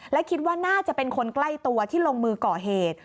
และคิดว่าน่าจะเป็นคนใกล้ตัวที่ลงมือก่อเหตุ